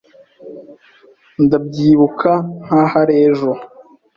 Ndabyibuka nkaho ari ejo.